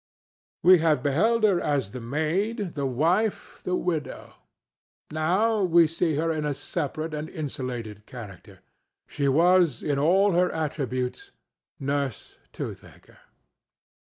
We have beheld her as the maid, the wife, the widow; now we see her in a separate and insulated character: she was in all her attributes Nurse Toothaker.